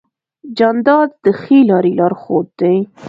جانداد د ښې لارې لارښود دی.